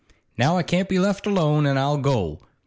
Now I can't be left alone, an' I'll go.